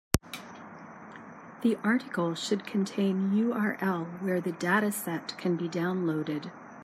The article should contain URL where the dataset can be downloaded.